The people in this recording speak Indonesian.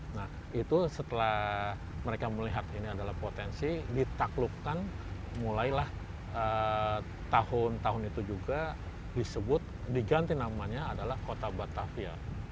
nah itu setelah mereka melihat ini adalah potensi ditaklukkan mulailah tahun tahun itu juga disebut diganti namanya adalah kota batavia